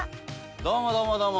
どうもどうもどうも！